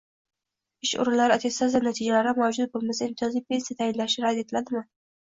Ish o‘rinlari attestatsiya natijalari mavjud bo‘lmasa, imtiyozli pensiya tayinlashi rad etiladimi?